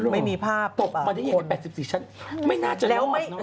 ไม่มีภาพอะคนปุ๊บมาได้อย่าง๘๔ชั้นไม่น่าจะลอดเนอะ